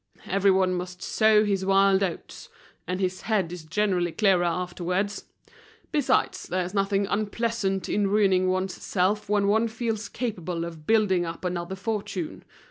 Everyone must sow his wild oats, and his head is generally clearer afterwards. Besides, there's nothing unpleasant in ruining one's self when one feels capable of building up another fortune.